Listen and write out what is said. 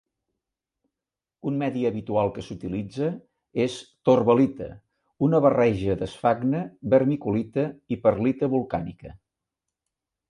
Un medi habitual que s"utilitza es "torba-lita", una barreja d"esfagne, vermiculita i perlita volcànica.